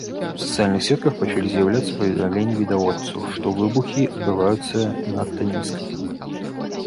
У сацыяльных сетках пачаліся з'яўляцца паведамленні відавочцаў, што выбухі адбываюцца надта нізка.